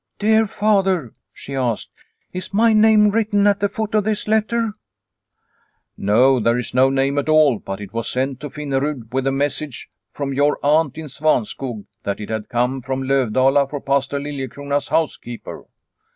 " Dear Father," she asked, " is my name written at the foot of this letter ?"" No, there is no name at all, but it was sent to The Accusation 227 Finnenid with a message from your aunt in Svanskog that it had come from Lovdala for Pastor Liliecrona's housekeeper."